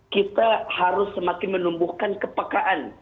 kita harus semakin menumbuhkan kepekaan